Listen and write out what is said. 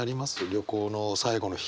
旅行の最後の日。